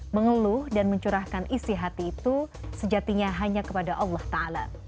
mengeluh dan mencurahkan isi hati itu sejatinya hanya kepada allah ta'ala